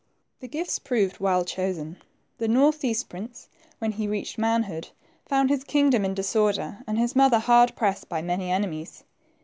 The gifts proved well chosen. The north east prince, when he reached manhood, found his king dom in disorder, and his mother hard pressed by many enemies.